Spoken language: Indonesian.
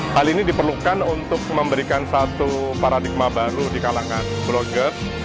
hal ini diperlukan untuk memberikan satu paradigma baru di kalangan blogger